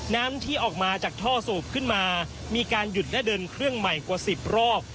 น้ำที่ออกมาจากท่อสูบขึ้นมามีการหยุดและเดินเครื่องใหม่กว่า๑๐รอบ